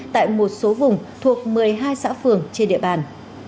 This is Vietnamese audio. tại một số vùng thuộc một mươi hai xã phường trên địa bàn